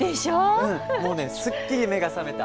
うんもうねすっきり目が覚めた。